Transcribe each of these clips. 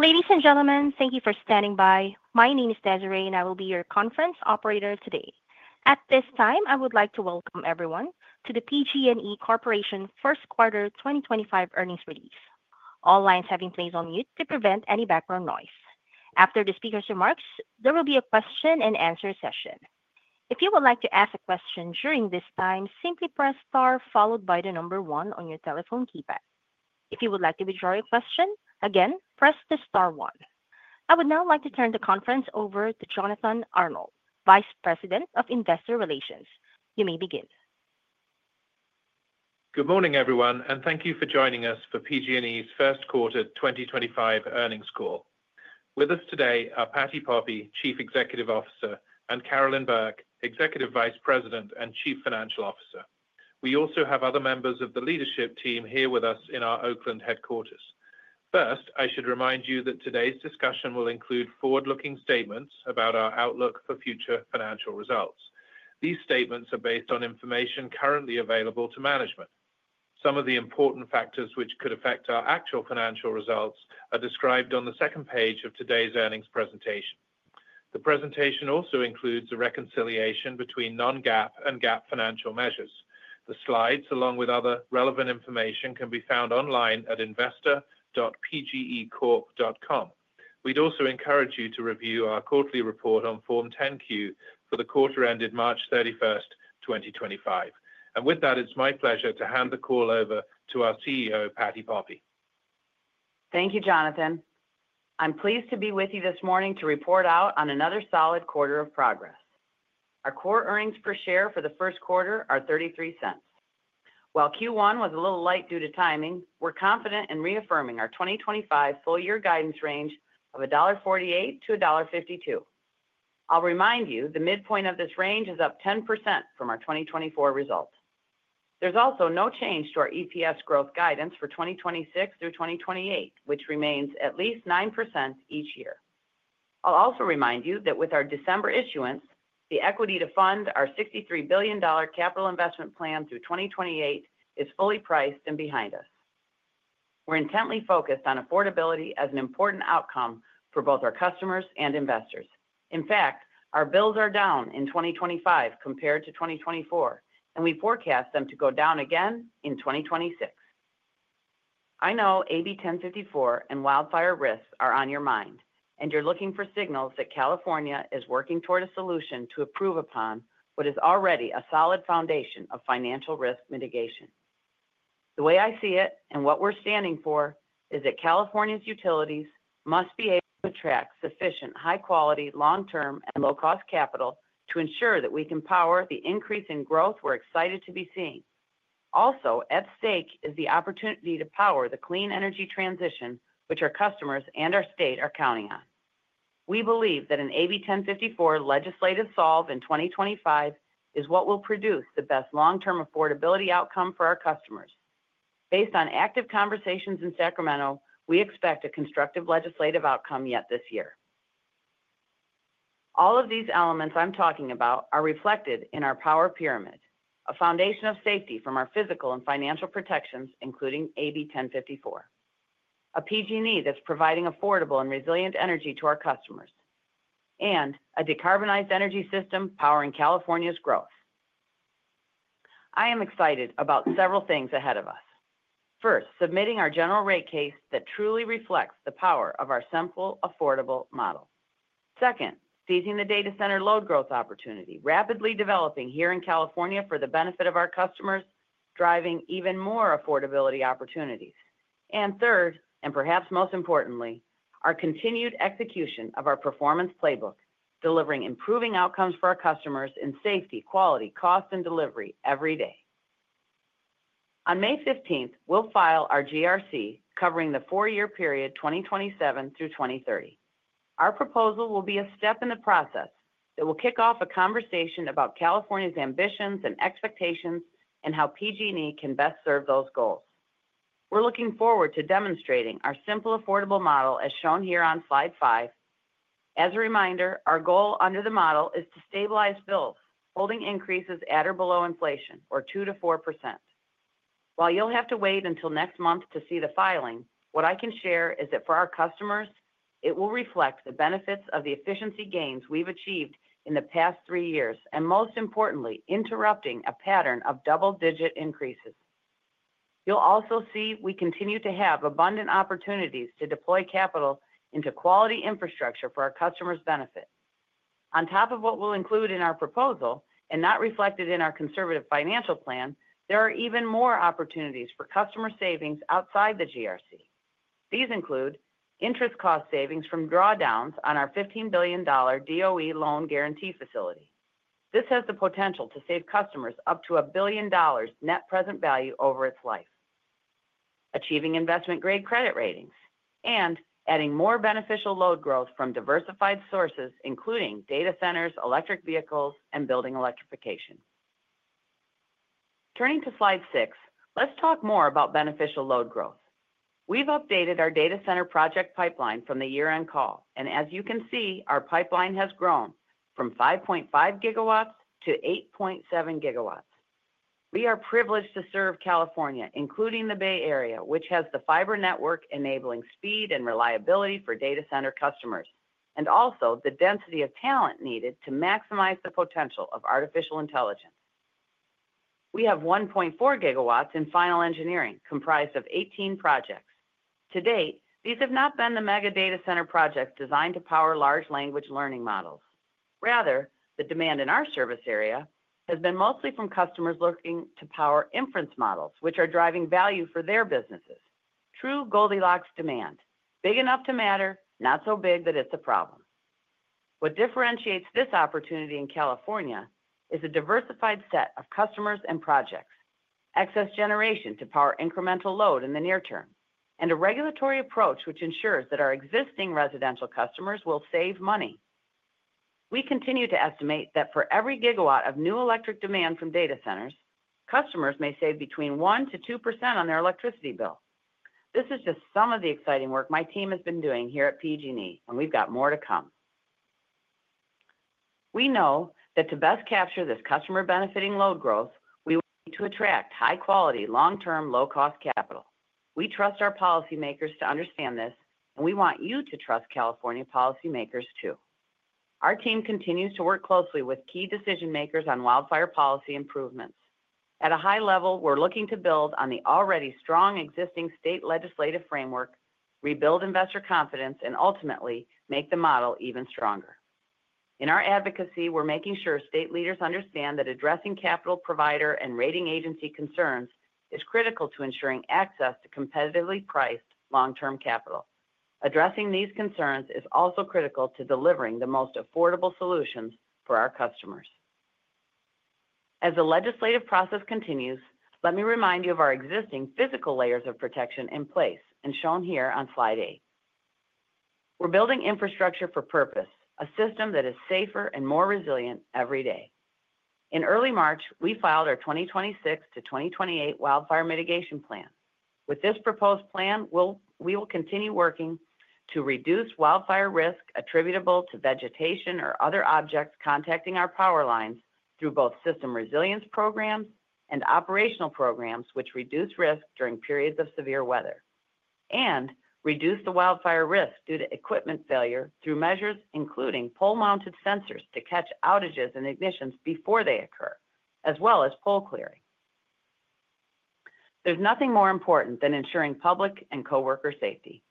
Ladies and gentlemen, thank you for standing by. My name is Desiree, and I will be your conference operator today. At this time, I would like to welcome everyone to the PG&E Corporation's First Quarter 2025 Earnings Release. All lines have been placed on mute to prevent any background noise. After the speaker's remarks, there will be a question-and-answer session. If you would like to ask a question during this time, simply press star followed by the number one on your telephone keypad. If you would like to withdraw your question, again, press the star one. I would now like to turn the conference over to Jonathan Arnold, Vice President of Investor Relations. You may begin. Good morning, everyone, and thank you for joining us for PG&E's First Quarter 2025 Earnings Call. With us today are Patti Poppe, Chief Executive Officer, and Carolyn Burke, Executive Vice President and Chief Financial Officer. We also have other members of the leadership team here with us in our Oakland Headquarters. First, I should remind you that today's discussion will include forward-looking statements about our outlook for future financial results. These statements are based on information currently available to management. Some of the important factors which could affect our actual financial results are described on the second page of today's earnings presentation. The presentation also includes a reconciliation between non-GAAP and GAAP financial measures. The slides, along with other relevant information, can be found online at investor.pgecorp.com. We'd also encourage you to review our quarterly report on Form 10-Q for the quarter ended March 31, 2025. It is my pleasure to hand the call over to our CEO, Patti Poppe. Thank you, Jonathan. I'm pleased to be with you this morning to report out on another solid quarter of progress. Our core earnings per share for the first quarter are $0.33. While Q1 was a little light due to timing, we're confident in reaffirming our 2025 full-year guidance range of $1.48-$1.52. I'll remind you, the midpoint of this range is up 10% from our 2024 result. There's also no change to our EPS growth guidance for 2026 through 2028, which remains at least 9% each year. I'll also remind you that with our December issuance, the equity to fund our $63 billion capital investment plan through 2028 is fully priced and behind us. We're intently focused on affordability as an important outcome for both our customers and investors. In fact, our bills are down in 2025 compared to 2024, and we forecast them to go down again in 2026. I know AB 1054 and wildfire risks are on your mind, and you're looking for signals that California is working toward a solution to improve upon what is already a solid foundation of financial risk mitigation. The way I see it and what we're standing for is that California's utilities must be able to attract sufficient high-quality, long-term, and low-cost capital to ensure that we can power the increase in growth we're excited to be seeing. Also, at stake is the opportunity to power the clean energy transition, which our customers and our state are counting on. We believe that an AB 1054 legislative solve in 2025 is what will produce the best long-term affordability outcome for our customers. Based on active conversations in Sacramento, we expect a constructive legislative outcome yet this year. All of these elements I'm talking about are reflected in our Power Pyramid, a foundation of safety from our physical and financial protections, including AB 1054, a PG&E that's providing affordable and resilient energy to our customers, and a decarbonized energy system powering California's growth. I am excited about several things ahead of us. First, submitting our General Rate Case that truly reflects the power of our simple, affordable model. Second, seizing the data center load growth opportunity, rapidly developing here in California for the benefit of our customers, driving even more affordability opportunities. Third, and perhaps most importantly, our continued execution of our Performance Playbook, delivering improving outcomes for our customers in safety, quality, cost, and delivery every day. On May 15th, we'll file our GRC covering the four-year period 2027 through 2030. Our proposal will be a step in the process that will kick off a conversation about California's ambitions and expectations and how PG&E can best serve those goals. We're looking forward to demonstrating our simple, affordable model as shown here on slide five. As a reminder, our goal under the model is to stabilize bills, holding increases at or below inflation or 2%-4%. While you'll have to wait until next month to see the filing, what I can share is that for our customers, it will reflect the benefits of the efficiency gains we've achieved in the past three years and, most importantly, interrupting a pattern of double-digit increases. You'll also see we continue to have abundant opportunities to deploy capital into quality infrastructure for our customers' benefit. On top of what we'll include in our proposal and not reflected in our conservative financial plan, there are even more opportunities for customer savings outside the GRC. These include interest cost savings from drawdowns on our $15 billion DOE loan guarantee facility. This has the potential to save customers up to $1 billion net present value over its life, achieving investment-grade credit ratings and adding more beneficial load growth from diversified sources, including data centers, electric vehicles, and building electrification. Turning to slide six, let's talk more about beneficial load growth. We've updated our data center project pipeline from the year-end call, and as you can see, our pipeline has grown from 5.5 GW to 8.7 GW. We are privileged to serve California, including the Bay Area, which has the fiber network enabling speed and reliability for data center customers and also the density of talent needed to maximize the potential of artificial intelligence. We have 1.4 GW in final engineering comprised of 18 projects. To date, these have not been the mega-data-center projects designed to power Large Language Learning Models. Rather, the demand in our service area has been mostly from customers looking to power inference models, which are driving value for their businesses. True Goldilocks demand, big enough to matter, not so big that it's a problem. What differentiates this opportunity in California is a diversified set of customers and projects, excess generation to power incremental load in the near term, and a regulatory approach which ensures that our existing residential customers will save money. We continue to estimate that for every gigawatt of new electric demand from data centers, customers may save between 1%-2% on their electricity bill. This is just some of the exciting work my team has been doing here at PG&E, and we've got more to come. We know that to best capture this customer-benefiting load growth, we need to attract high-quality, long-term, low-cost capital. We trust our policymakers to understand this, and we want you to trust California policymakers too. Our team continues to work closely with key decision-makers on wildfire policy improvements. At a high level, we're looking to build on the already strong existing state legislative framework, rebuild investor confidence, and ultimately make the model even stronger. In our advocacy, we're making sure state leaders understand that addressing capital provider and rating agency concerns is critical to ensuring access to competitively priced long-term capital. Addressing these concerns is also critical to delivering the most affordable solutions for our customers. As the legislative process continues, let me remind you of our existing physical layers of protection in place and shown here on slide eight. We are building infrastructure for purpose, a system that is safer and more resilient every day. In early March, we filed our 2026 to 2028 Wildfire Mitigation Plan. With this proposed plan, we will continue working to reduce wildfire risk attributable to vegetation or other objects contacting our power lines through both system resilience programs and operational programs, which reduce risk during periods of severe weather and reduce the wildfire risk due to equipment failure through measures including pole-mounted sensors to catch outages and ignitions before they occur, as well as pole clearing. There is nothing more important than ensuring public and coworker safety.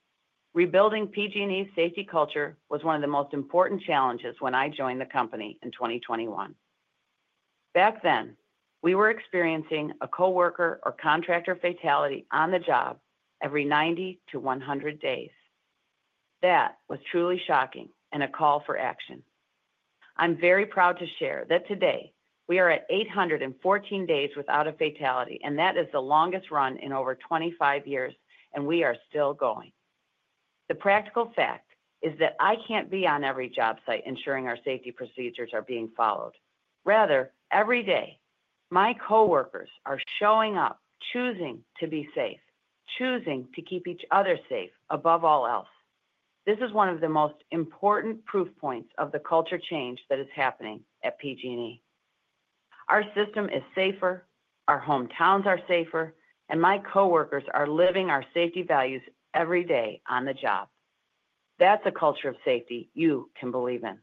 Rebuilding PG&E's safety culture was one of the most important challenges when I joined the company in 2021. Back then, we were experiencing a coworker or contractor fatality on the job every 90 to 100 days. That was truly shocking and a call for action. I'm very proud to share that today we are at 814 days without a fatality, and that is the longest run in over 25 years, and we are still going. The practical fact is that I can't be on every job site ensuring our safety procedures are being followed. Rather, every day, my coworkers are showing up, choosing to be safe, choosing to keep each other safe above all else. This is one of the most important proof points of the culture change that is happening at PG&E. Our system is safer, our hometowns are safer, and my coworkers are living our safety values every day on the job. That's a culture of safety you can believe in.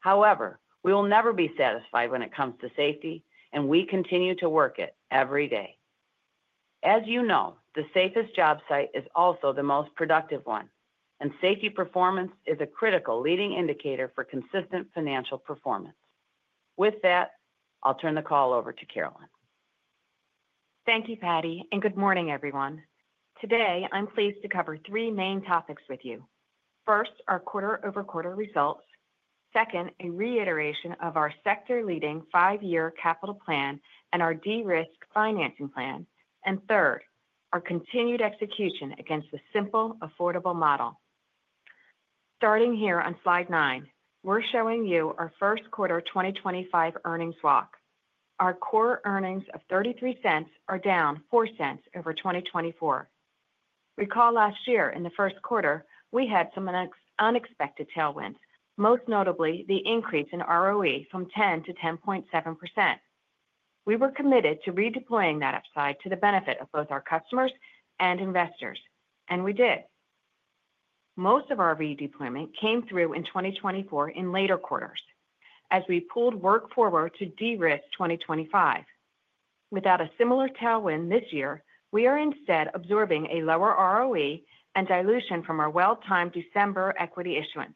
However, we will never be satisfied when it comes to safety, and we continue to work it every day. As you know, the safest job site is also the most productive one, and safety performance is a critical leading indicator for consistent financial performance. With that, I'll turn the call over to Carolyn. Thank you, Patti, and good morning, everyone. Today, I'm pleased to cover three main topics with you. First, our quarter-over-quarter results. Second, a reiteration of our sector-leading five-year capital plan and our de-risk financing plan. Third, our continued execution against the simple, affordable model. Starting here on slide nine, we're showing you our first quarter 2025 earnings walk. Our core earnings of $0.33 are down $0.04 over 2024. Recall last year in the first quarter, we had some unexpected tailwinds, most notably the increase in ROE from 10% to 10.7%. We were committed to redeploying that upside to the benefit of both our customers and investors, and we did. Most of our redeployment came through in 2024 in later quarters as we pulled work forward to de-risk 2025. Without a similar tailwind this year, we are instead absorbing a lower ROE and dilution from our well-timed December equity issuance.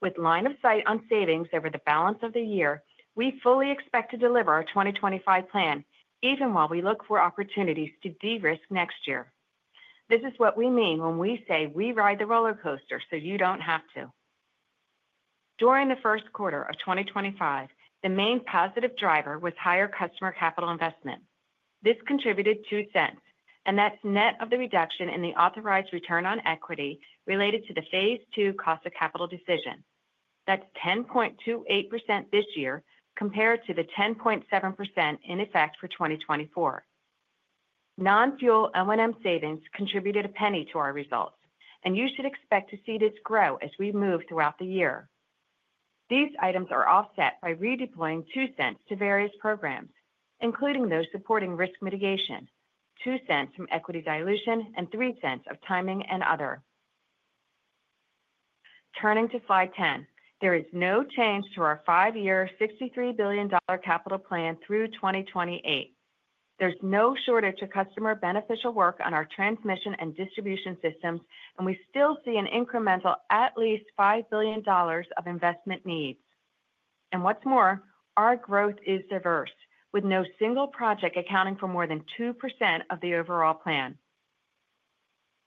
With line of sight on savings over the balance of the year, we fully expect to deliver our 2025 plan even while we look for opportunities to de-risk next year. This is what we mean when we say we ride the roller coaster so you do not have to. During the first quarter of 2025, the main positive driver was higher customer capital investment. This contributed $0.02, and that is net of the reduction in the authorized return on equity related to the phase II cost of capital decision. That is 10.28% this year compared to the 10.7% in effect for 2024. Non-fuel L&M savings contributed a penny to our results, and you should expect to see this grow as we move throughout the year. These items are offset by redeploying $0.02 to various programs, including those supporting risk mitigation, $0.02 from equity dilution, and $0.03 of timing and other. Turning to slide 10, there is no change to our five-year $63 billion capital plan through 2028. There is no shortage of customer-beneficial work on our transmission and distribution systems, and we still see an incremental at least $5 billion of investment needs. What's more, our growth is diverse, with no single project accounting for more than 2% of the overall plan.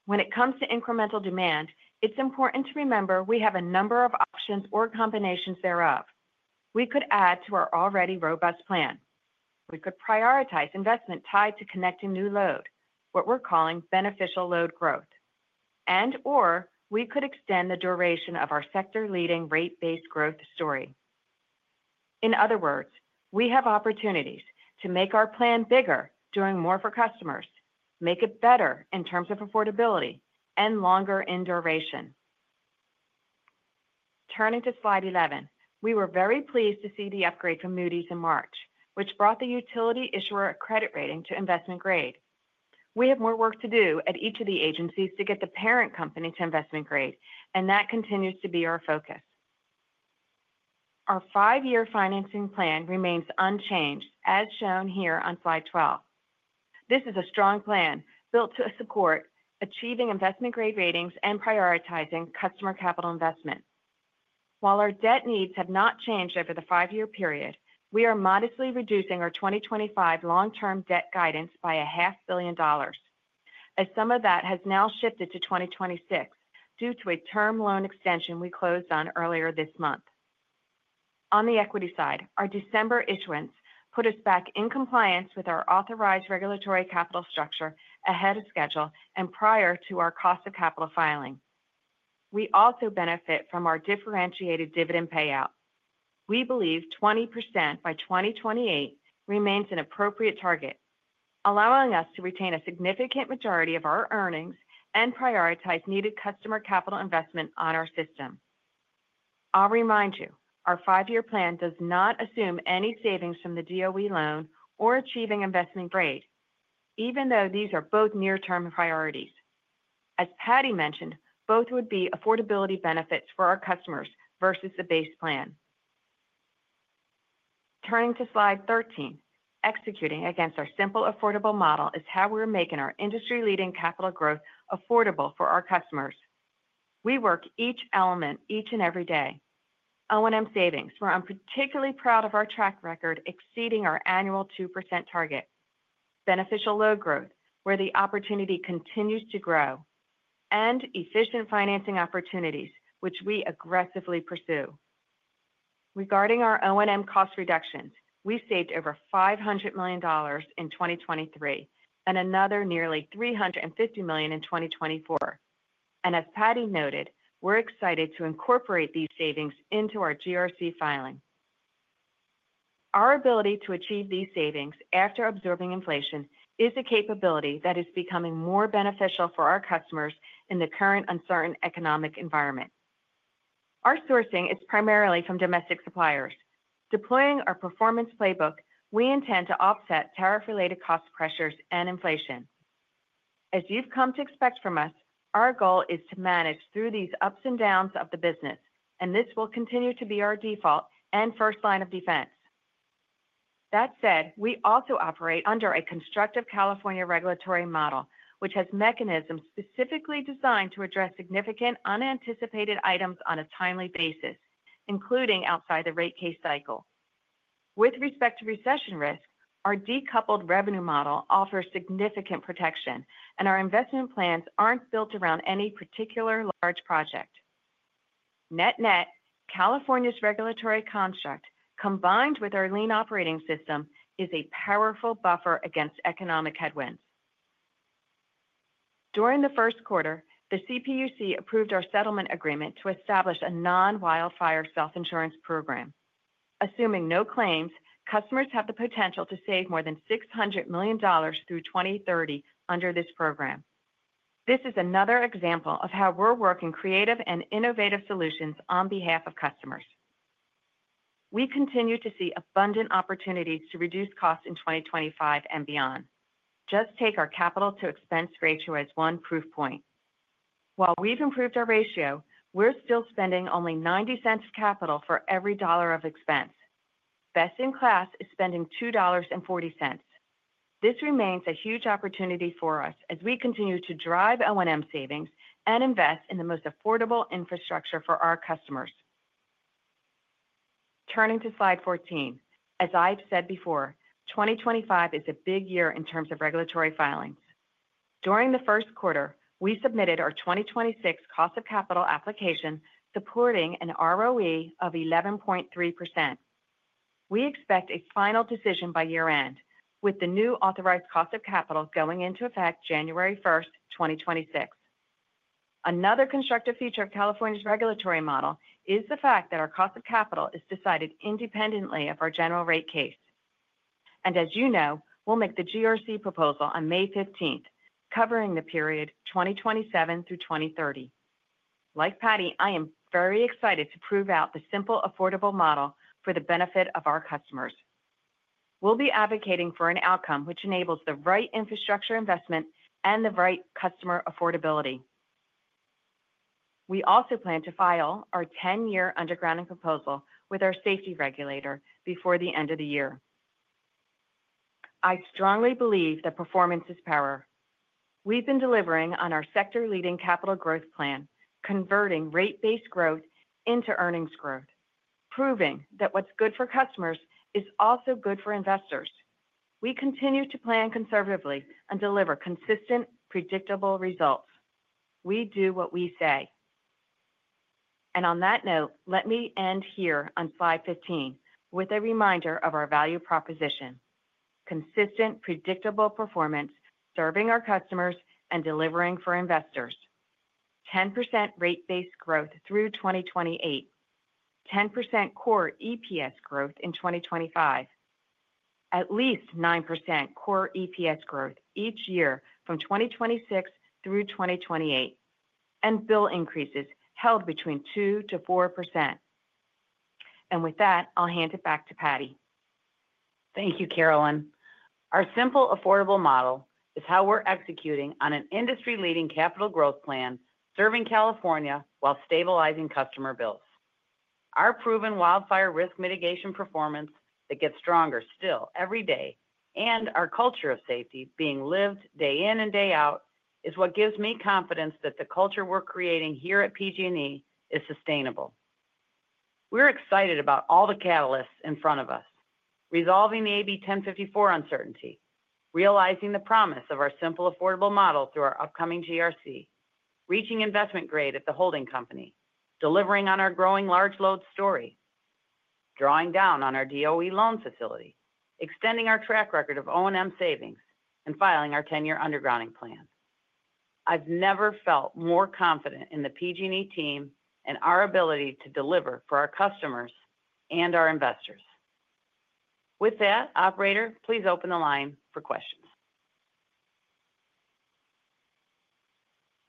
When it comes to incremental demand, it's important to remember we have a number of options or combinations thereof. We could add to our already robust plan. We could prioritize investment tied to connecting new load, what we're calling beneficial load growth. And/or we could extend the duration of our sector-leading rate-based growth story. In other words, we have opportunities to make our plan bigger, doing more for customers, make it better in terms of affordability, and longer in duration. Turning to slide 11, we were very pleased to see the upgrade from Moody's in March, which brought the utility issuer credit rating to investment grade. We have more work to do at each of the agencies to get the parent company to investment grade, and that continues to be our focus. Our five-year financing plan remains unchanged, as shown here on slide 12. This is a strong plan built to support achieving investment-grade ratings and prioritizing customer capital investment. While our debt needs have not changed over the five-year period, we are modestly reducing our 2025 long-term debt guidance by $0.5 billion, as some of that has now shifted to 2026 due to a term loan extension we closed on earlier this month. On the equity side, our December issuance put us back in compliance with our authorized regulatory capital structure ahead of schedule and prior to our cost of capital filing. We also benefit from our differentiated dividend payout. We believe 20% by 2028 remains an appropriate target, allowing us to retain a significant majority of our earnings and prioritize needed customer capital investment on our system. I'll remind you, our five-year plan does not assume any savings from the DOE loan or achieving investment grade, even though these are both near-term priorities. As Patti mentioned, both would be affordability benefits for our customers versus the base plan. Turning to slide 13, executing against our simple affordable model is how we're making our industry-leading capital growth affordable for our customers. We work each element each and every day. L&M savings, we're particularly proud of our track record exceeding our annual 2% target. Beneficial load growth, where the opportunity continues to grow, and efficient financing opportunities, which we aggressively pursue. Regarding our L&M cost reductions, we saved over $500 million in 2023 and another nearly $350 million in 2024. As Patti noted, we're excited to incorporate these savings into our GRC filing. Our ability to achieve these savings after absorbing inflation is a capability that is becoming more beneficial for our customers in the current uncertain economic environment. Our sourcing is primarily from domestic suppliers. Deploying our Performance Playbook, we intend to offset tariff-related cost pressures and inflation. As you've come to expect from us, our goal is to manage through these ups and downs of the business, and this will continue to be our default and first line of defense. That said, we also operate under a constructive California regulatory model, which has mechanisms specifically designed to address significant unanticipated items on a timely basis, including outside the rate case cycle. With respect to recession risk, our decoupled revenue model offers significant protection, and our investment plans aren't built around any particular large project. Net-net, California's regulatory construct, combined with our lean operating system, is a powerful buffer against economic headwinds. During the first quarter, the CPUC approved our settlement agreement to establish a non-wildfire self-insurance program. Assuming no claims, customers have the potential to save more than $600 million through 2030 under this program. This is another example of how we're working creative and innovative solutions on behalf of customers. We continue to see abundant opportunities to reduce costs in 2025 and beyond. Just take our capital-to-expense ratio as one proof point. While we've improved our ratio, we're still spending only $0.90 of capital for every dollar of expense. Best in class is spending $2.40. This remains a huge opportunity for us as we continue to drive L&M savings and invest in the most affordable infrastructure for our customers. Turning to slide 14, as I've said before, 2025 is a big year in terms of regulatory filings. During the first quarter, we submitted our 2026 cost of capital application supporting an ROE of 11.3%. We expect a final decision by year-end, with the new authorized cost of capital going into effect January 1, 2026. Another constructive feature of California's regulatory model is the fact that our cost of capital is decided independently of our General Rate Case. As you know, we'll make the GRC proposal on May 15, covering the period 2027 through 2030. Like Patti, I am very excited to prove out the simple affordable model for the benefit of our customers. We will be advocating for an outcome which enables the right infrastructure investment and the right customer affordability. We also plan to file our 10-year undergrounding proposal with our safety regulator before the end of the year. I strongly believe that performance is power. We have been delivering on our sector-leading capital growth plan, converting rate-based growth into earnings growth, proving that what is good for customers is also good for investors. We continue to plan conservatively and deliver consistent, predictable results. We do what we say. On that note, let me end here on slide 15 with a reminder of our value proposition: consistent, predictable performance serving our customers and delivering for investors. 10% rate-based growth through 2028. 10% core EPS growth in 2025. At least 9% core EPS growth each year from 2026 through 2028. Bill increases held between 2%-4%. With that, I'll hand it back to Patti. Thank you, Carolyn. Our simple affordable model is how we're executing on an industry-leading capital growth plan serving California while stabilizing customer bills. Our proven wildfire risk mitigation performance that gets stronger still every day, and our culture of safety being lived day in and day out, is what gives me confidence that the culture we're creating here at PG&E is sustainable. We're excited about all the catalysts in front of us: resolving the AB 1054 uncertainty, realizing the promise of our simple affordable model through our upcoming GRC, reaching investment grade at the holding company, delivering on our growing large load story, drawing down on our DOE loan facility, extending our track record of L&M savings, and filing our 10-year undergrounding plan. I've never felt more confident in the PG&E team and our ability to deliver for our customers and our investors. With that, operator, please open the line for questions.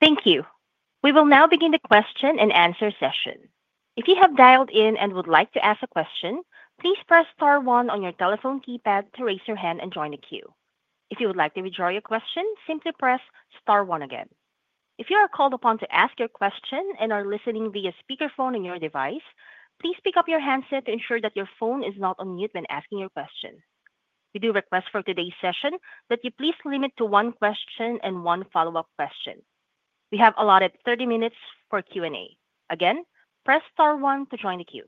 Thank you. We will now begin the question and answer session. If you have dialed in and would like to ask a question, please press star one on your telephone keypad to raise your hand and join the queue. If you would like to withdraw your question, simply press star one again. If you are called upon to ask your question and are listening via speakerphone on your device, please pick up your handset to ensure that your phone is not on mute when asking your question. We do request for today's session that you please limit to one question and one follow-up question. We have allotted 30 minutes for Q&A. Again, press star one to join the queue.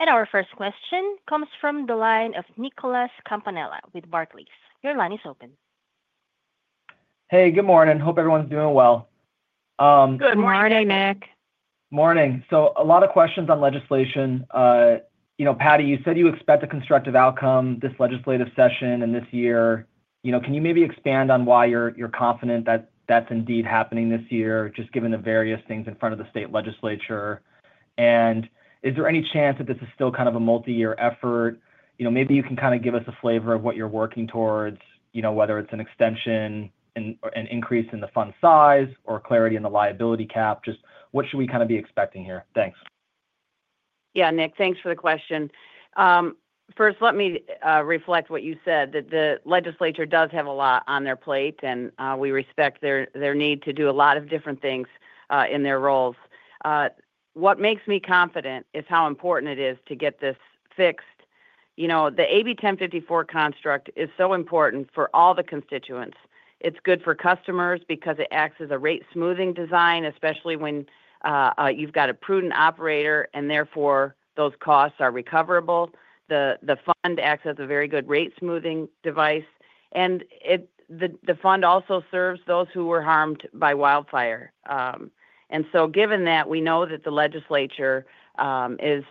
Our first question comes from the line of Nicholas Campanella with Barclays. Your line is open. Hey, good morning. Hope everyone's doing well. Good morning, Nick. Morning. A lot of questions on legislation. You know, Patti, you said you expect a constructive outcome this legislative session and this year. You know, can you maybe expand on why you're confident that that's indeed happening this year, just given the various things in front of the state legislature? Is there any chance that this is still kind of a multi-year effort? You know, maybe you can kind of give us a flavor of what you're working towards, you know, whether it's an extension and an increase in the fund size or clarity in the liability cap. Just what should we kind of be expecting here? Thanks. Yeah, Nick, thanks for the question. First, let me reflect what you said, that the legislature does have a lot on their plate, and we respect their need to do a lot of different things in their roles. What makes me confident is how important it is to get this fixed. You know, the AB 1054 construct is so important for all the constituents. It's good for customers because it acts as a rate-smoothing design, especially when you've got a prudent operator, and therefore those costs are recoverable. The fund acts as a very good rate-smoothing device. The fund also serves those who were harmed by wildfire. Given that, we know that the legislature is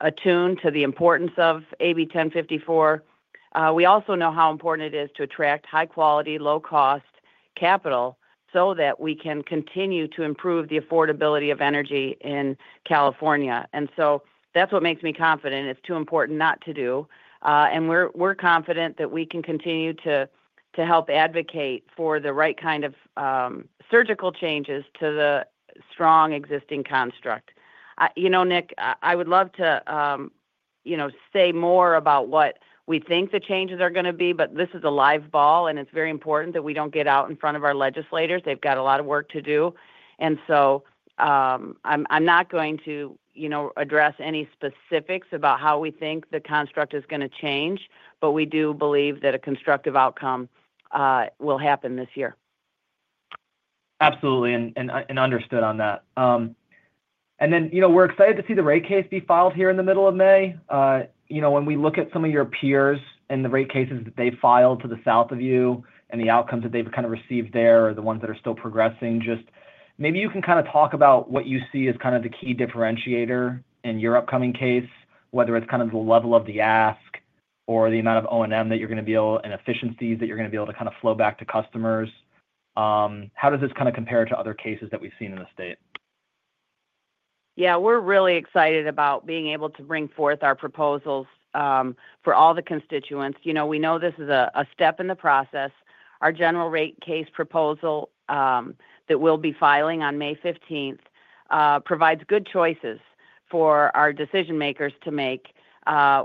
attuned to the importance of AB 1054. We also know how important it is to attract high-quality, low-cost capital so that we can continue to improve the affordability of energy in California. That is what makes me confident it is too important not to do. We are confident that we can continue to help advocate for the right kind of surgical changes to the strong existing construct. You know, Nick, I would love to, you know, say more about what we think the changes are going to be, but this is a live ball, and it is very important that we do not get out in front of our legislators. They have a lot of work to do. I am not going to, you know, address any specifics about how we think the construct is going to change, but we do believe that a constructive outcome will happen this year. Absolutely, and understood on that. You know, we're excited to see the rate case be filed here in the middle of May. You know, when we look at some of your peers and the rate cases that they filed to the south of you and the outcomes that they've kind of received there or the ones that are still progressing, just maybe you can kind of talk about what you see as kind of the key differentiator in your upcoming case, whether it's kind of the level of the ask or the amount of L&M that you're going to be able and efficiencies that you're going to be able to kind of flow back to customers. How does this kind of compare to other cases that we've seen in the state? Yeah, we're really excited about being able to bring forth our proposals for all the constituents. You know, we know this is a step in the process. Our General Rate Case proposal that we'll be filing on May 15 provides good choices for our decision-makers to make.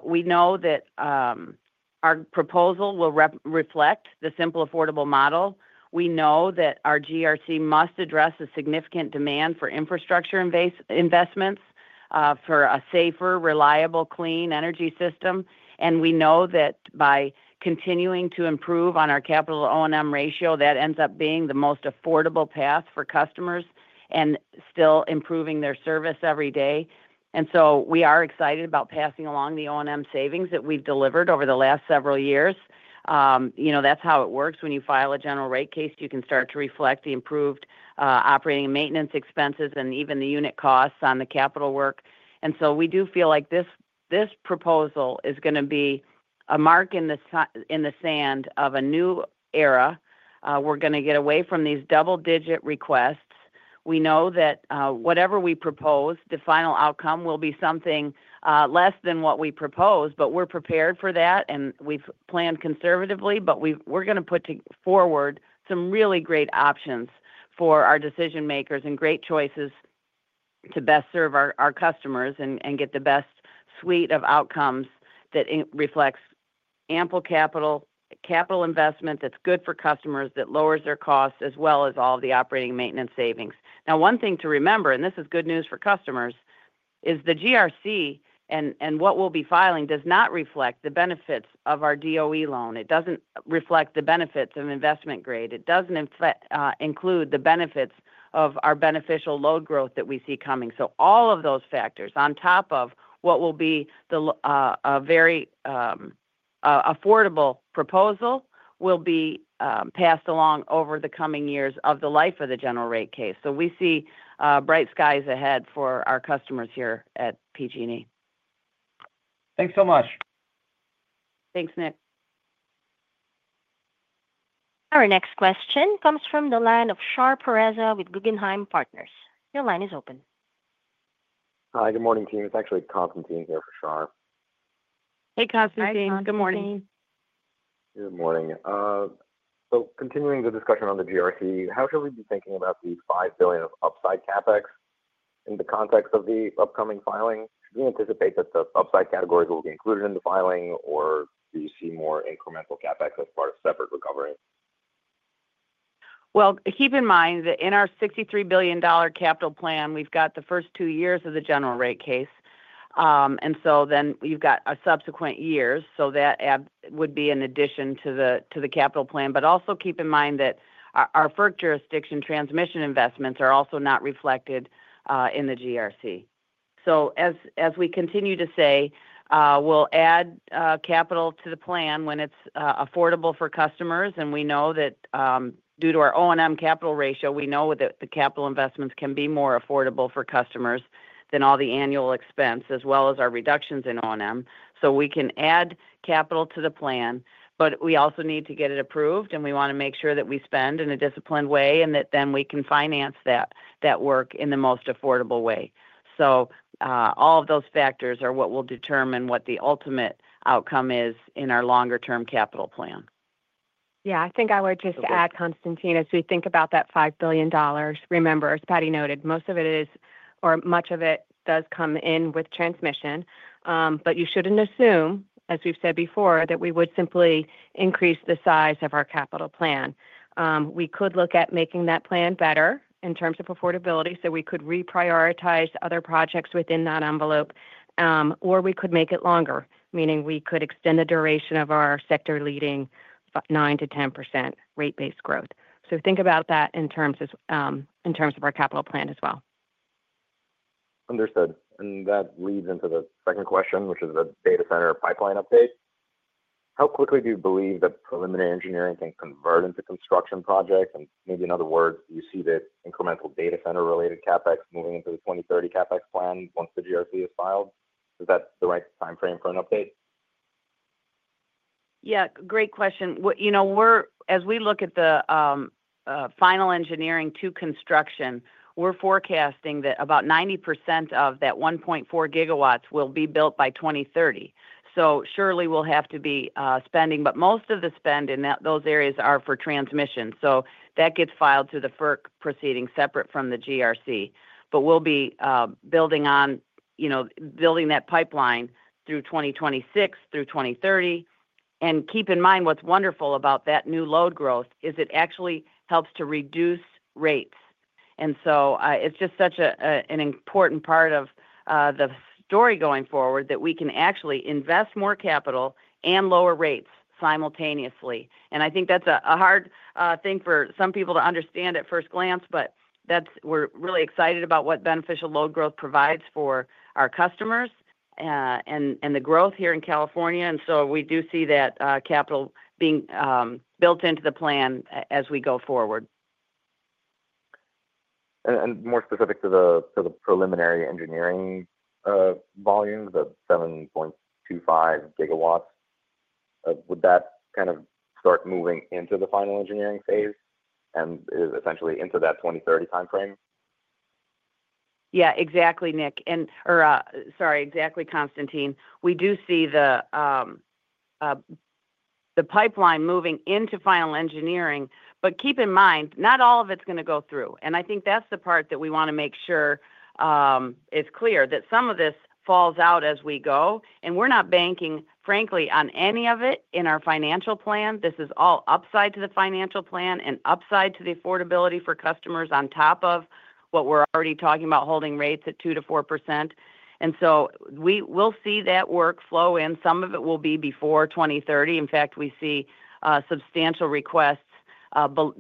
We know that our proposal will reflect the simple affordable model. We know that our GRC must address a significant demand for infrastructure investments for a safer, reliable, clean energy system. We know that by continuing to improve on our capital-L&M ratio, that ends up being the most affordable path for customers and still improving their service every day. We are excited about passing along the L&M savings that we've delivered over the last several years. You know, that's how it works. When you file a General Rate Case, you can start to reflect the improved operating maintenance expenses and even the unit costs on the capital work. We do feel like this proposal is going to be a mark in the sand of a new era. We are going to get away from these double-digit requests. We know that whatever we propose, the final outcome will be something less than what we proposed, but we are prepared for that. We have planned conservatively, but we are going to put forward some really great options for our decision-makers and great choices to best serve our customers and get the best suite of outcomes that reflects ample capital, capital investment that is good for customers, that lowers their costs, as well as all the operating maintenance savings. Now, one thing to remember, and this is good news for customers, is the GRC and what we'll be filing does not reflect the benefits of our DOE loan. It doesn't reflect the benefits of investment grade. It doesn't include the benefits of our beneficial load growth that we see coming. All of those factors on top of what will be a very affordable proposal will be passed along over the coming years of the life of the General Rate Case. We see bright skies ahead for our customers here at PG&E. Thanks so much. Thanks, Nick. Our next question comes from the line of Shar Pourreza with Guggenheim Partners. Your line is open. Hi, good morning, team. It's actually Constantine here for Shar. Hey, Constantine. Good morning. Good morning. Continuing the discussion on the GRC, how should we be thinking about the $5 billion of upside CapEx in the context of the upcoming filing? Do we anticipate that the upside categories will be included in the filing, or do you see more incremental CapEx as part of separate recovery? Keep in mind that in our $63 billion capital plan, we've got the first two years of the General Rate Case. We have a subsequent year, so that would be in addition to the capital plan. Also keep in mind that our FERC jurisdiction transmission investments are not reflected in the GRC. As we continue to say, we'll add capital to the plan when it's affordable for customers. We know that due to our L&M capital ratio, we know that the capital investments can be more affordable for customers than all the annual expense, as well as our reductions in L&M. We can add capital to the plan, but we also need to get it approved. We want to make sure that we spend in a disciplined way and that then we can finance that work in the most affordable way. All of those factors are what will determine what the ultimate outcome is in our longer-term capital plan. Yeah, I think I would just add, Constantine, as we think about that $5 billion, remember, as Patti noted, most of it is, or much of it does come in with transmission. You should not assume, as we have said before, that we would simply increase the size of our capital plan. We could look at making that plan better in terms of affordability so we could reprioritize other projects within that envelope, or we could make it longer, meaning we could extend the duration of our sector-leading 9%-10% rate-based growth. Think about that in terms of our capital plan as well. Understood. That leads into the second question, which is the data center pipeline update. How quickly do you believe that preliminary engineering can convert into construction projects? Maybe in other words, do you see the incremental data center-related CapEx moving into the 2030 CapEx plan once the GRC is filed? Is that the right time frame for an update? Yeah, great question. You know, as we look at the final engineering to construction, we're forecasting that about 90% of that 1.4 GW will be built by 2030. Surely we'll have to be spending, but most of the spend in those areas are for transmission. That gets filed to the FERC proceeding separate from the GRC. We'll be building on, you know, building that pipeline through 2026, through 2030. Keep in mind, what's wonderful about that new load growth is it actually helps to reduce rates. It is just such an important part of the story going forward that we can actually invest more capital and lower rates simultaneously. I think that's a hard thing for some people to understand at first glance, but we're really excited about what beneficial load growth provides for our customers and the growth here in California. We do see that capital being built into the plan as we go forward. More specific to the preliminary engineering volume, the 7.25 GW, would that kind of start moving into the final engineering phase and essentially into that 2030 time frame? Yeah, exactly, Constantine. We do see the pipeline moving into final engineering, but keep in mind, not all of it's going to go through. I think that's the part that we want to make sure is clear that some of this falls out as we go. We're not banking, frankly, on any of it in our financial plan. This is all upside to the financial plan and upside to the affordability for customers on top of what we're already talking about holding rates at 2%-4%. We will see that work flow in. Some of it will be before 2030. In fact, we see substantial requests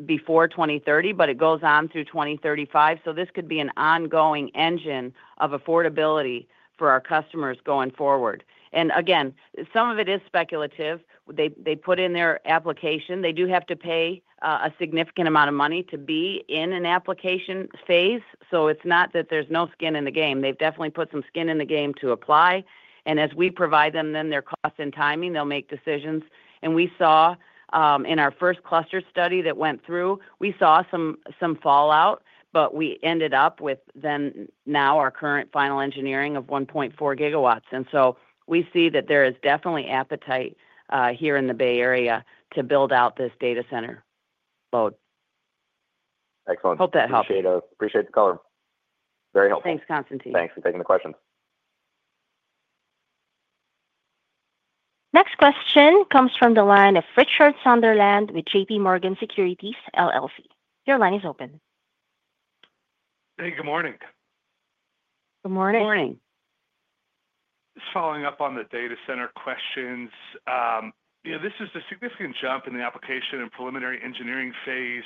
before 2030, but it goes on through 2035. This could be an ongoing engine of affordability for our customers going forward. Again, some of it is speculative. They put in their application. They do have to pay a significant amount of money to be in an application phase. It is not that there is no skin in the game. They have definitely put some skin in the game to apply. As we provide them, then their cost and timing, they will make decisions. We saw in our first cluster study that went through, we saw some fallout, but we ended up with now our current final engineering of 1.4 GW. We see that there is definitely appetite here in the Bay Area to build out this data center load. Excellent. Hope that helps. Appreciate it. Appreciate the color. Very helpful. Thanks, Constantine. Thanks for taking the questions. Next question comes from the line of Richard Sunderland with JPMorgan Securities. Your line is open. Hey, good morning. Good morning. Good morning. Just following up on the data center questions. You know, this is a significant jump in the application and preliminary engineering phase.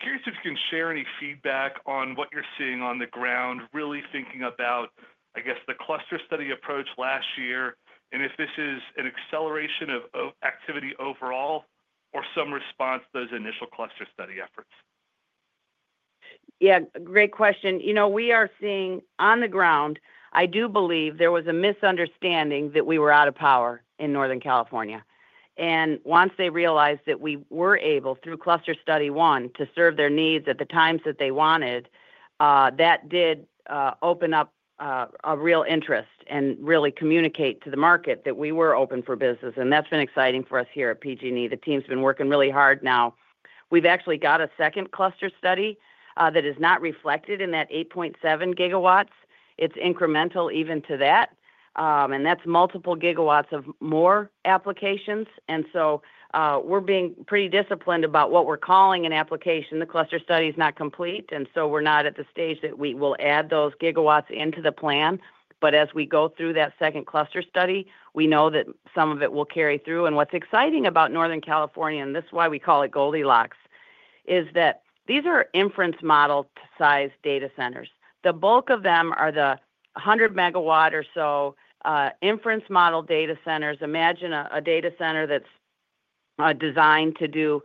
Curious if you can share any feedback on what you're seeing on the ground, really thinking about, I guess, the cluster study approach last year and if this is an acceleration of activity overall or some response to those initial cluster study efforts. Yeah, great question. You know, we are seeing on the ground, I do believe there was a misunderstanding that we were out of power in Northern California. Once they realized that we were able, through cluster study one, to serve their needs at the times that they wanted, that did open up a real interest and really communicate to the market that we were open for business. That's been exciting for us here at PG&E. The team's been working really hard now. We've actually got a second cluster study that is not reflected in that 8.7 GW. It's incremental even to that. That's multiple gigawatts of more applications. We're being pretty disciplined about what we're calling an application. The cluster study is not complete. We're not at the stage that we will add those gigawatts into the plan. As we go through that second cluster study, we know that some of it will carry through. What's exciting about Northern California, and this is why we call it Goldilocks, is that these are inference model sized data centers. The bulk of them are the 100 MW or so inference model data centers. Imagine a data center that's designed to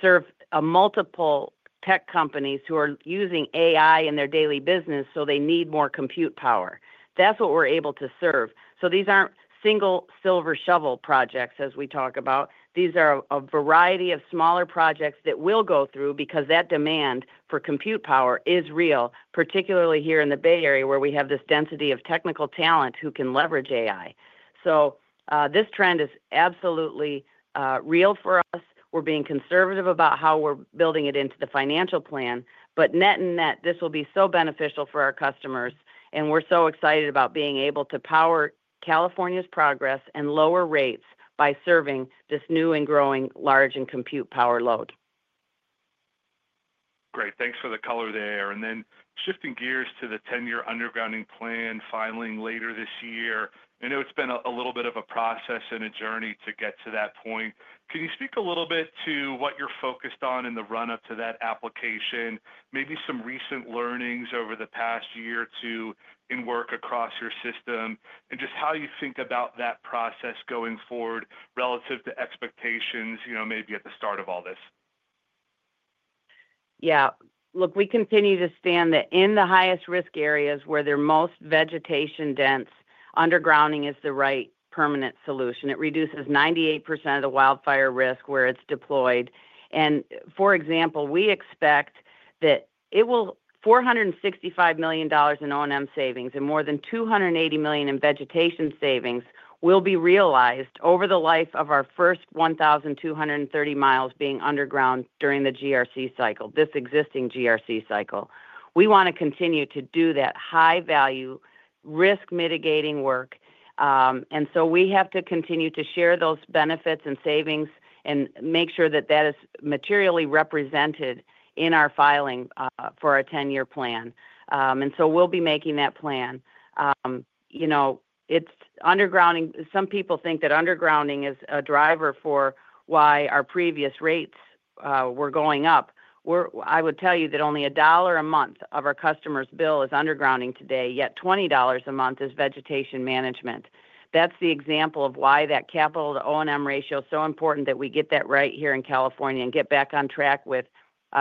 serve multiple tech companies who are using AI in their daily business, so they need more compute power. That's what we're able to serve. These aren't single silver shovel projects, as we talk about. These are a variety of smaller projects that will go through because that demand for compute power is real, particularly here in the Bay Area where we have this density of technical talent who can leverage AI. This trend is absolutely real for us. We're being conservative about how we're building it into the financial plan. Net and net, this will be so beneficial for our customers. We're so excited about being able to power California's progress and lower rates by serving this new and growing large and compute power load. Great. Thanks for the color there. Shifting gears to the 10-year undergrounding plan filing later this year. I know it's been a little bit of a process and a journey to get to that point. Can you speak a little bit to what you're focused on in the run-up to that application, maybe some recent learnings over the past year or two in work across your system, and just how you think about that process going forward relative to expectations, you know, maybe at the start of all this? Yeah. Look, we continue to stand that in the highest risk areas where they're most vegetation dense, undergrounding is the right permanent solution. It reduces 98% of the wildfire risk where it's deployed. For example, we expect that $465 million in L&M savings and more than $280 million in vegetation savings will be realized over the life of our first 1,230 mi being underground during the GRC cycle, this existing GRC cycle. We want to continue to do that high-value risk mitigating work. We have to continue to share those benefits and savings and make sure that that is materially represented in our filing for our 10-year plan. We will be making that plan. You know, it's undergrounding. Some people think that undergrounding is a driver for why our previous rates were going up.I would tell you that only a dollar a month of our customer's bill is undergrounding today, yet $20 a month is vegetation management. That's the example of why that capital to L&M ratio is so important that we get that right here in California and get back on track with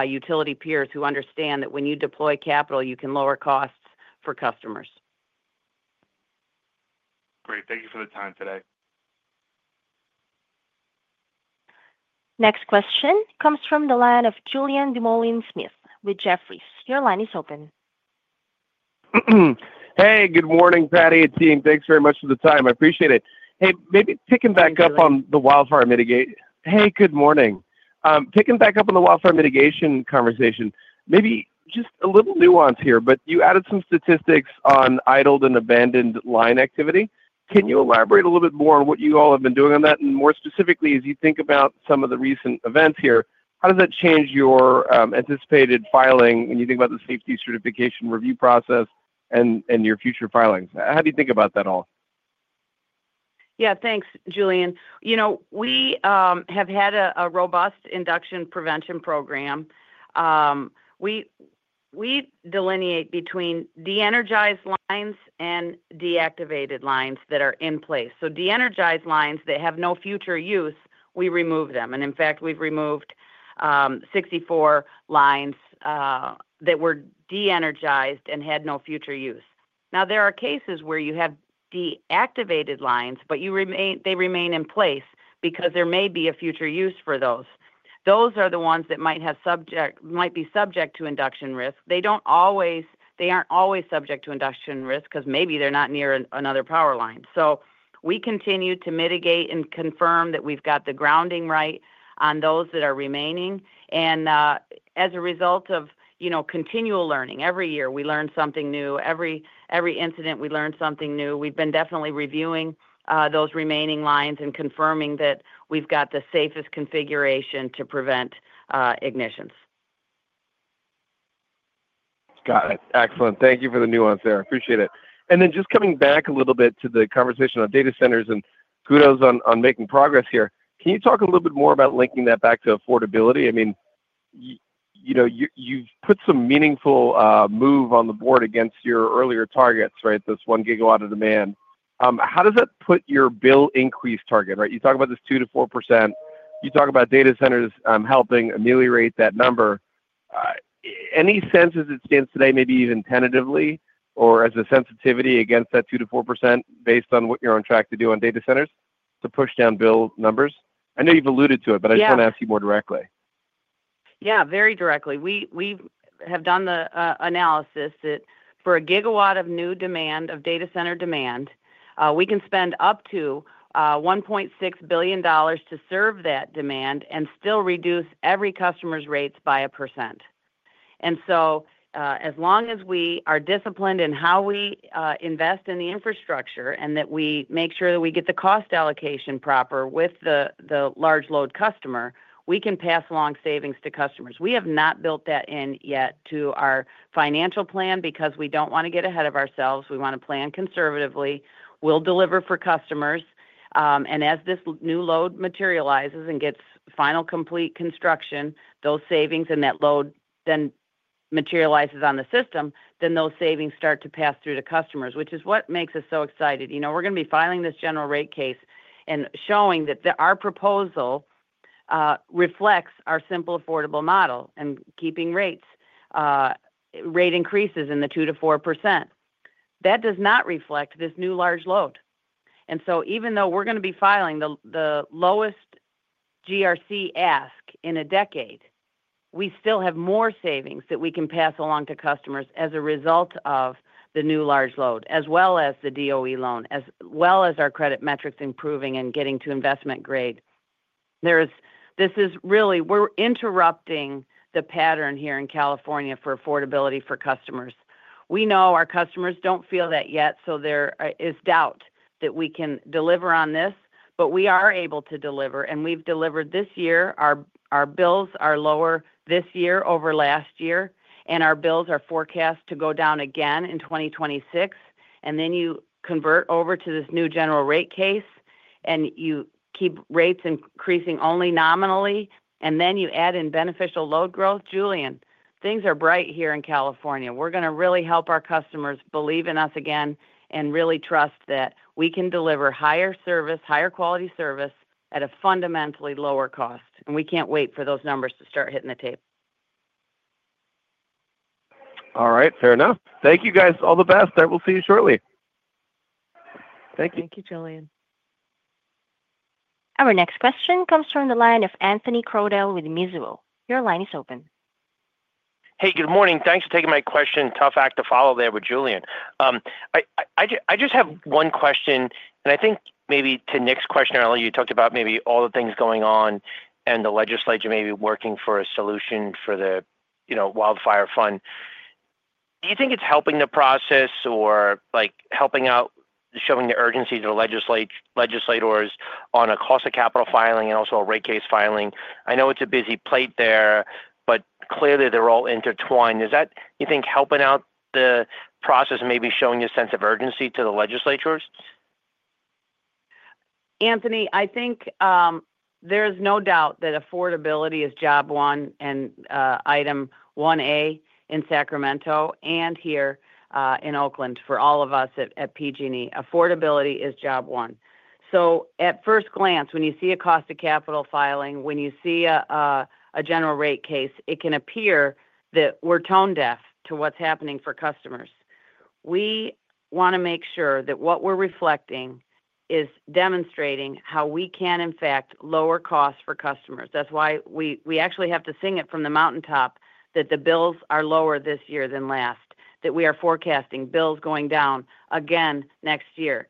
utility peers who understand that when you deploy capital, you can lower costs for customers. Great. Thank you for the time today. Next question comes from the line of Julien Dumoulin-Smith with Jefferies. Your line is open. Hey, good morning, Patti. And team, thanks very much for the time. I appreciate it. Maybe picking back up on the wildfire mitigation. Good morning. Picking back up on the wildfire mitigation conversation, maybe just a little nuance here, but you added some statistics on idled and abandoned line activity. Can you elaborate a little bit more on what you all have been doing on that? More specifically, as you think about some of the recent events here, how does that change your anticipated filing when you think about the safety certification review process and your future filings? How do you think about that all? Yeah, thanks, Julien. You know, we have had a robust induction prevention program. We delineate between de-energized lines and deactivated lines that are in place. De-energized lines that have no future use, we remove them. In fact, we have removed 64 lines that were de-energized and had no future use. There are cases where you have deactivated lines, but they remain in place because there may be a future use for those. Those are the ones that might be subject to induction risk. They are not always subject to induction risk because maybe they are not near another power line. We continue to mitigate and confirm that we have got the grounding right on those that are remaining. As a result of continual learning, every year we learn something new. Every incident, we learn something new. We've been definitely reviewing those remaining lines and confirming that we've got the safest configuration to prevent ignitions. Got it. Excellent. Thank you for the nuance there. I appreciate it. Just coming back a little bit to the conversation on data centers and kudos on making progress here, can you talk a little bit more about linking that back to affordability? I mean, you know, you've put some meaningful moves on the board against your earlier targets, right, this 1 GW of demand. How does that put your bill increase target, right? You talk about this 2%-4%. You talk about data centers helping ameliorate that number. Any sense, as it stands today, maybe even tentatively or as a sensitivity against that 2%-4% based on what you're on track to do on data centers to push down bill numbers? I know you've alluded to it, but I just want to ask you more directly. Yeah, very directly. We have done the analysis that for a gigawatt of new demand, of data center demand, we can spend up to $1.6 billion to serve that demand and still reduce every customer's rates by 1%. As long as we are disciplined in how we invest in the infrastructure and that we make sure that we get the cost allocation proper with the large load customer, we can pass along savings to customers. We have not built that in yet to our financial plan because we do not want to get ahead of ourselves. We want to plan conservatively. We will deliver for customers. As this new load materializes and gets final complete construction, those savings and that load then materialize on the system, then those savings start to pass through to customers, which is what makes us so excited. You know, we're going to be filing this General Rate Case and showing that our proposal reflects our simple affordable model and keeping rate increases in the 2%-4%. That does not reflect this new large load. Even though we're going to be filing the lowest GRC ask in a decade, we still have more savings that we can pass along to customers as a result of the new large load, as well as the DOE loan, as well as our credit metrics improving and getting to investment grade. This is really, we're interrupting the pattern here in California for affordability for customers. We know our customers don't feel that yet, so there is doubt that we can deliver on this, but we are able to deliver. We've delivered this year. Our bills are lower this year over last year, and our bills are forecast to go down again in 2026. You convert over to this new General Rate Case, and you keep rates increasing only nominally, and you add in beneficial load growth. Julian, things are bright here in California. We're going to really help our customers believe in us again and really trust that we can deliver higher service, higher quality service at a fundamentally lower cost. We can't wait for those numbers to start hitting the table. All right. Fair enough. Thank you, guys. All the best. I will see you shortly. Thank you. Thank you, Julien. Our next question comes from the line of Anthony Crowdell with Mizuho. Your line is open. Hey, good morning. Thanks for taking my question. Tough act to follow there with Julien. I just have one question, and I think maybe to Nick's question earlier, you talked about maybe all the things going on and the legislature maybe working for a solution for the, you know, wildfire fund. Do you think it's helping the process or, like, helping out, showing the urgency to the legislators on a cost of capital filing and also a rate case filing? I know it's a busy plate there, but clearly they're all intertwined. Is that, you think, helping out the process and maybe showing a sense of urgency to the legislators? Anthony, I think there is no doubt that affordability is job one and item 1A in Sacramento and here in Oakland for all of us at PG&E. Affordability is job one. At first glance, when you see a cost of capital filing, when you see a General Rate Case, it can appear that we're tone deaf to what's happening for customers. We want to make sure that what we're reflecting is demonstrating how we can, in fact, lower costs for customers. That's why we actually have to sing it from the mountaintop that the bills are lower this year than last, that we are forecasting bills going down again next year.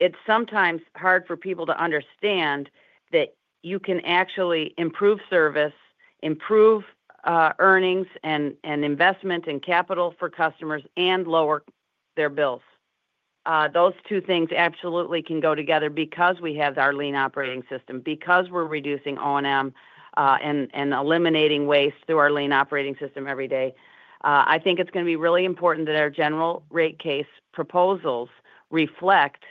It's sometimes hard for people to understand that you can actually improve service, improve earnings and investment and capital for customers, and lower their bills. Those two things absolutely can go together because we have our lean operating system, because we're reducing L&M and eliminating waste through our lean operating system every day. I think it's going to be really important that our General Rate Case proposals reflect,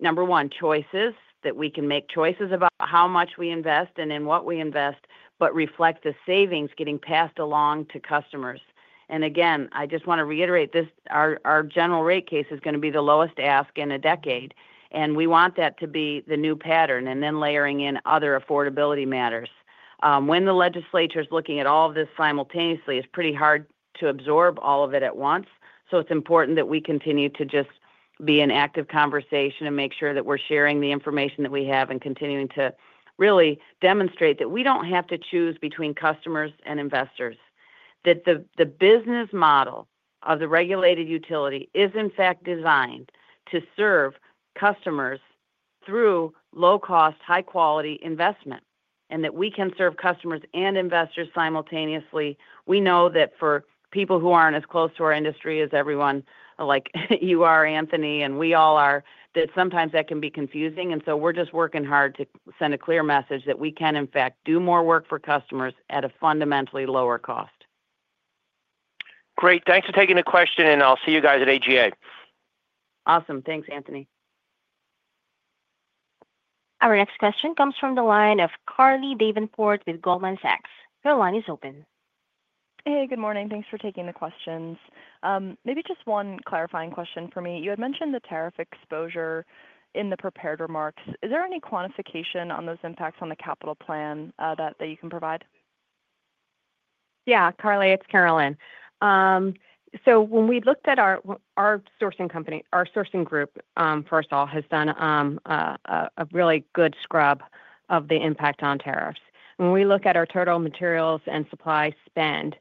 number one, choices that we can make, choices about how much we invest and in what we invest, but reflect the savings getting passed along to customers. I just want to reiterate this. Our General Rate Case is going to be the lowest ask in a decade, and we want that to be the new pattern and then layering in other affordability matters. When the legislature is looking at all of this simultaneously, it's pretty hard to absorb all of it at once. It is important that we continue to just be in active conversation and make sure that we're sharing the information that we have and continuing to really demonstrate that we don't have to choose between customers and investors, that the business model of the regulated utility is, in fact, designed to serve customers through low-cost, high-quality investment, and that we can serve customers and investors simultaneously. We know that for people who aren't as close to our industry as everyone like you are, Anthony, and we all are, that sometimes that can be confusing. We are just working hard to send a clear message that we can, in fact, do more work for customers at a fundamentally lower cost. Great. Thanks for taking the question, and I'll see you guys at AGA. Awesome. Thanks, Anthony. Our next question comes from the line of Carly Davenport with Goldman Sachs. Her line is open. Hey, good morning. Thanks for taking the questions. Maybe just one clarifying question for me. You had mentioned the tariff exposure in the prepared remarks. Is there any quantification on those impacts on the capital plan that you can provide? Yeah, Carly, it's Carolyn. When we looked at our sourcing company, our sourcing group, first of all, has done a really good scrub of the impact on tariffs. When we look at our total materials and supply spend,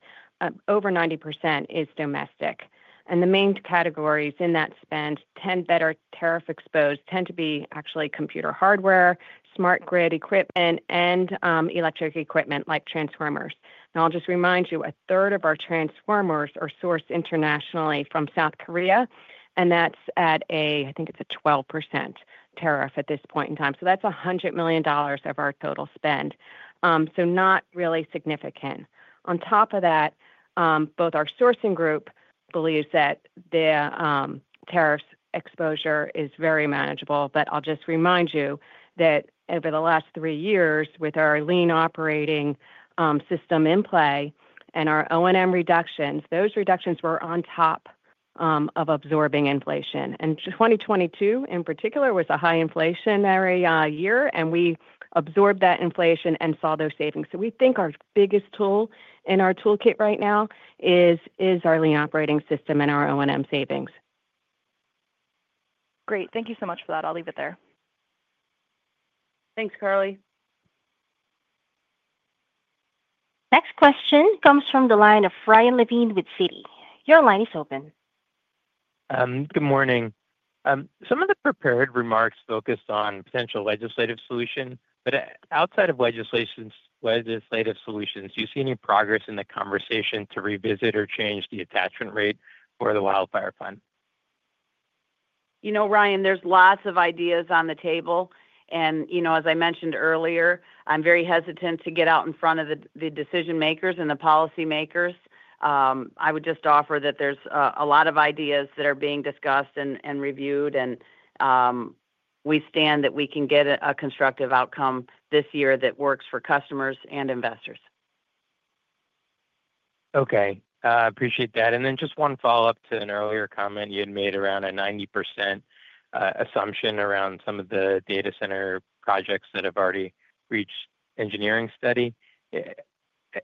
over 90% is domestic. The main categories in that spend that are tariff-exposed tend to be actually computer hardware, smart grid equipment, and electric equipment like transformers. I'll just remind you, a third of our transformers are sourced internationally from South Korea, and that's at a, I think it's a 12% tariff at this point in time. That's $100 million of our total spend. Not really significant. On top of that, both our sourcing group believes that the tariff exposure is very manageable. I'll just remind you that over the last three years, with our lean operating system in play and our L&M reductions, those reductions were on top of absorbing inflation. In 2022, in particular, it was a high inflationary year, and we absorbed that inflation and saw those savings. We think our biggest tool in our toolkit right now is our lean operating system and our L&M savings. Great. Thank you so much for that. I'll leave it there. Thanks, Carly. Next question comes from the line of Ryan Levine with Citi. Your line is open. Good morning. Some of the prepared remarks focused on potential legislative solutions. Outside of legislative solutions, do you see any progress in the conversation to revisit or change the attachment rate for the wildfire fund? You know, Ryan, there's lots of ideas on the table. You know, as I mentioned earlier, I'm very hesitant to get out in front of the decision-makers and the policymakers. I would just offer that there's a lot of ideas that are being discussed and reviewed, and we stand that we can get a constructive outcome this year that works for customers and investors. Okay. I appreciate that. Just one follow-up to an earlier comment you had made around a 90% assumption around some of the data center projects that have already reached engineering study.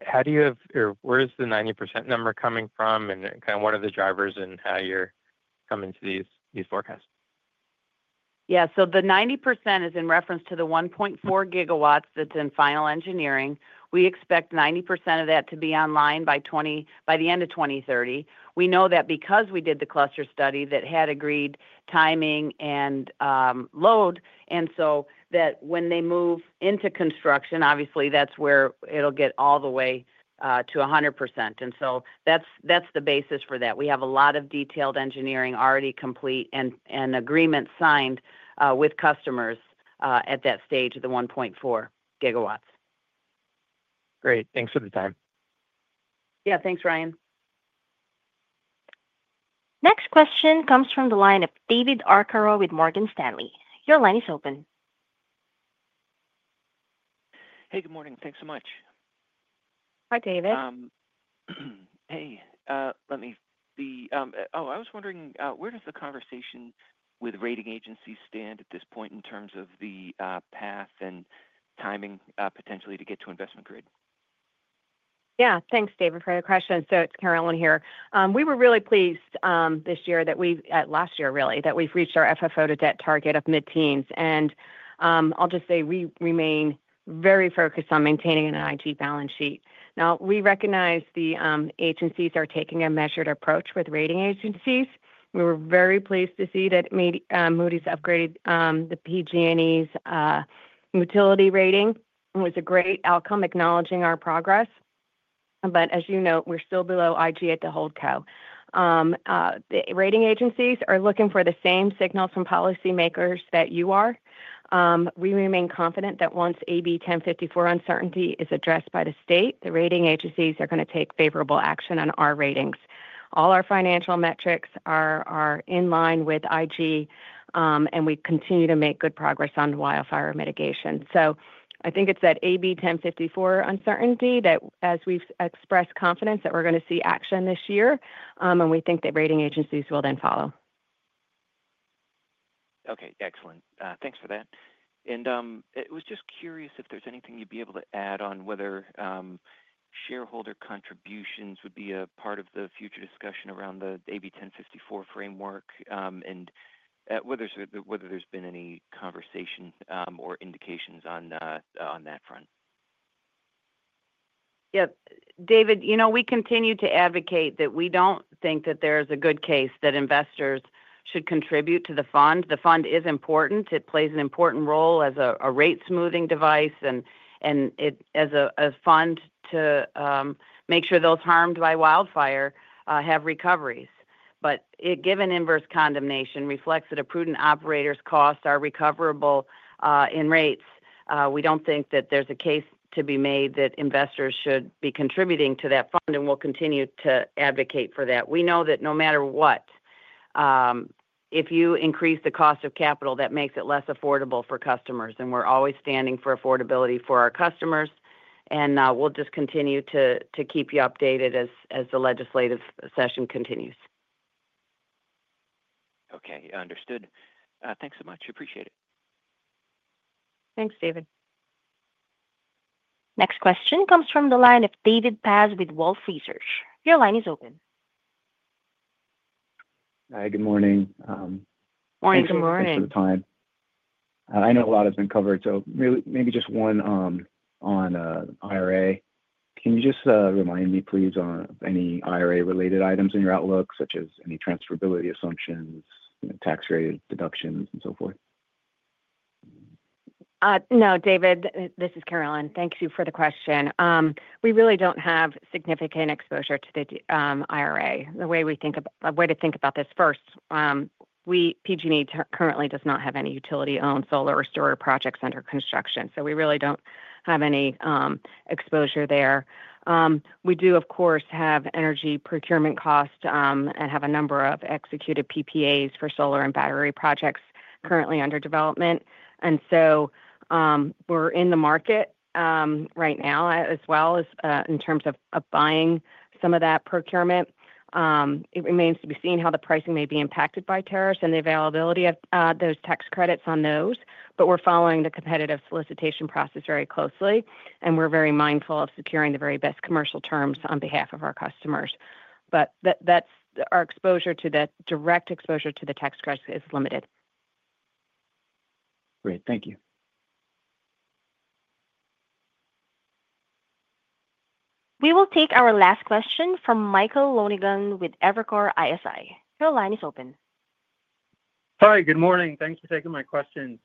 How do you have or where is the 90% number coming from, and kind of what are the drivers and how you're coming to these forecasts? Yeah. The 90% is in reference to the 1.4 GW that's in final engineering. We expect 90% of that to be online by the end of 2030. We know that because we did the cluster study that had agreed timing and load, and when they move into construction, obviously, that's where it'll get all the way to 100%. That's the basis for that. We have a lot of detailed engineering already complete and agreements signed with customers at that stage of the 1.4 GW. Great. Thanks for the time. Yeah. Thanks, Ryan. Next question comes from the line of David Arcaro with Morgan Stanley. Your line is open. Hey, good morning. Thanks so much. Hi, David. Hey. Let me see. Oh, I was wondering, where does the conversation with rating agencies stand at this point in terms of the path and timing potentially to get to investment grade? Yeah. Thanks, David, for the question. It's Carolyn here. We were really pleased this year that we've, last year, really, that we've reached our FFO to debt target of mid-teens. I'll just say we remain very focused on maintaining an IT balance sheet. We recognize the agencies are taking a measured approach with rating agencies. We were very pleased to see that Moody's upgraded PG&E's utility rating. It was a great outcome acknowledging our progress. As you know, we're still below IG at the HoldCo. The rating agencies are looking for the same signals from policymakers that you are. We remain confident that once AB 1054 uncertainty is addressed by the state, the rating agencies are going to take favorable action on our ratings. All our financial metrics are in line with IG, and we continue to make good progress on wildfire mitigation. I think it's that AB 1054 uncertainty that, as we've expressed confidence that we're going to see action this year, and we think that rating agencies will then follow. Okay. Excellent. Thanks for that. I was just curious if there's anything you'd be able to add on whether shareholder contributions would be a part of the future discussion around the AB 1054 framework and whether there's been any conversation or indications on that front. Yeah. David, you know, we continue to advocate that we don't think that there is a good case that investors should contribute to the fund. The fund is important. It plays an important role as a rate-smoothing device and as a fund to make sure those harmed by wildfire have recoveries. Given inverse condemnation reflects that a prudent operator's costs are recoverable in rates, we don't think that there's a case to be made that investors should be contributing to that fund, and we'll continue to advocate for that. We know that no matter what, if you increase the cost of capital, that makes it less affordable for customers. We're always standing for affordability for our customers, and we'll just continue to keep you updated as the legislative session continues. Okay. Understood. Thanks so much. Appreciate it. Thanks, David. Next question comes from the line of David Paz with Wolfe Research. Your line is open. Hi. Good morning. Morning. Thanks for coming. Good morning. I know a lot has been covered, so maybe just one on IRA. Can you just remind me, please, of any IRA-related items in your outlook, such as any transferability assumptions, tax rate deductions, and so forth? No, David, this is Carolyn. Thank you for the question. We really do not have significant exposure to the IRA. The way we think about—the way to think about this first, PG&E currently does not have any utility-owned solar or solar projects under construction, so we really do not have any exposure there. We do, of course, have energy procurement costs and have a number of executed PPAs for solar and battery projects currently under development. We are in the market right now as well in terms of buying some of that procurement. It remains to be seen how the pricing may be impacted by tariffs and the availability of those tax credits on those. We are following the competitive solicitation process very closely, and we are very mindful of securing the very best commercial terms on behalf of our customers. Our exposure to the direct exposure to the tax credits is limited. Great. Thank you. We will take our last question from Michael Lonegan with Evercore ISI. Your line is open. Hi. Good morning. Thanks for taking my question.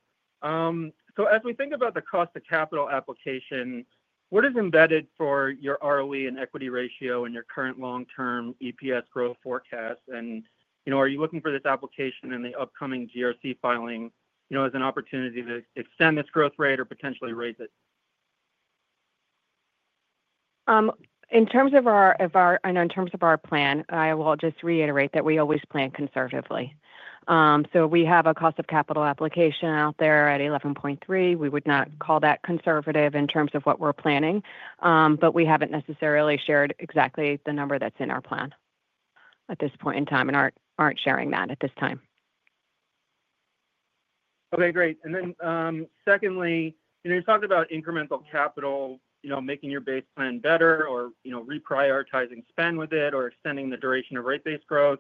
As we think about the cost of capital application, what is embedded for your ROE and equity ratio in your current long-term EPS growth forecast? Are you looking for this application in the upcoming GRC filing as an opportunity to extend this growth rate or potentially raise it? In terms of our plan, I will just reiterate that we always plan conservatively. We have a cost of capital application out there at 11.3. We would not call that conservative in terms of what we're planning, but we haven't necessarily shared exactly the number that's in our plan at this point in time and aren't sharing that at this time. Okay. Great. Secondly, you talked about incremental capital, making your base plan better or reprioritizing spend with it or extending the duration of rate-based growth.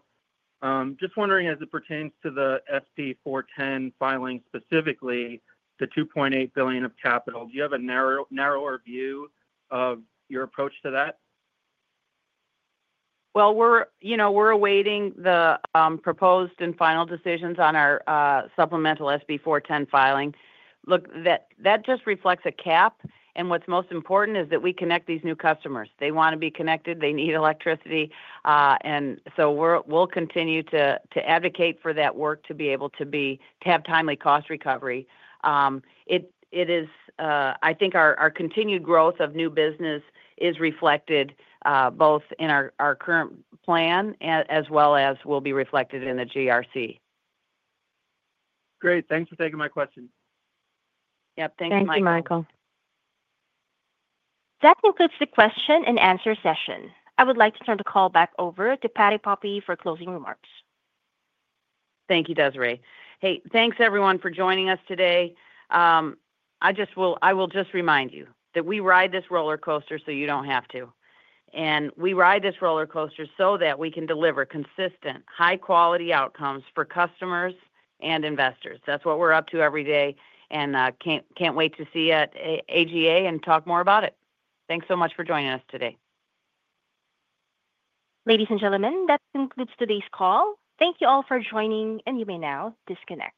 Just wondering, as it pertains to the FD410 filing specifically, the $2.8 billion of capital, do you have a narrower view of your approach to that? We're awaiting the proposed and final decisions on our supplemental SB 410 filing. Look, that just reflects a cap. What's most important is that we connect these new customers. They want to be connected. They need electricity. We'll continue to advocate for that work to be able to have timely cost recovery. I think our continued growth of new business is reflected both in our current plan as well as will be reflected in the GRC. Great. Thanks for taking my question. Yep. Thanks, Michael. Thank you, Michael. That concludes the question and answer session. I would like to turn the call back over to Patti Poppe for closing remarks. Thank you, Desiree. Hey, thanks, everyone, for joining us today. I will just remind you that we ride this roller coaster so you do not have to. We ride this roller coaster so that we can deliver consistent, high-quality outcomes for customers and investors. That is what we are up to every day, and cannot wait to see AGA and talk more about it. Thanks so much for joining us today. Ladies and gentlemen, that concludes today's call. Thank you all for joining, and you may now disconnect.